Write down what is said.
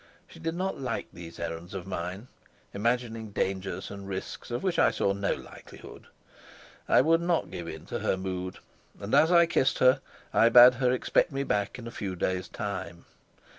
She did not like these errands of mine, imagining dangers and risks of which I saw no likelihood. I would not give in to her mood, and, as I kissed her, I bade her expect me back in a few days' time.